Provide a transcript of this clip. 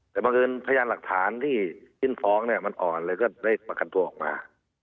แต่บังเอิญพยานหลักฐานที่ยื่นฟ้องเนี่ยมันอ่อนเลยก็ได้ประกันตัวออกมา